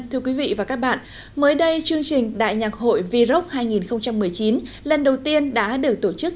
thưa quý vị và các bạn mới đây chương trình đại nhạc hội v rock hai nghìn một mươi chín lần đầu tiên đã được tổ chức